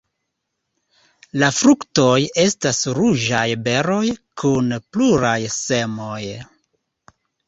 La fruktoj estas ruĝaj beroj kun pluraj semoj.